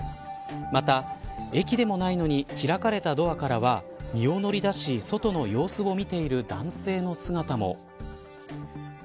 また、駅でもないのに開かれたドアからは身を乗り出し、外の様子を見ている男性の姿も。